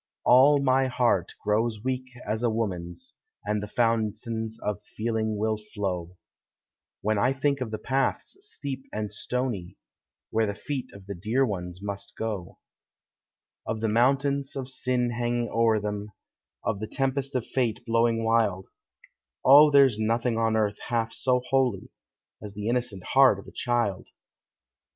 All my heart grows weak as a woman's, And the fountains of feeling will (low, When I think of the paths steep and stony, Where the feet of the dear ones must go; Digitized by Googl THE HOME Of the mountains of sin hanging o'er them, Of the tempest of Fate blowing wild; O, there 's nothing on earth half so holy As the innocent heart of a child!